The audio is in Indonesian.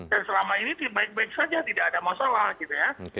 dan selama ini baik baik saja tidak ada masalah